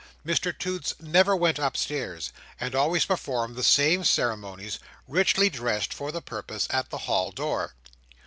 Mr Toots never went upstairs; and always performed the same ceremonies, richly dressed for the purpose, at the hall door.